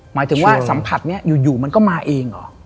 หมายถึงว่าสัมผัสนี้อยู่มันก็มาเองเหรอ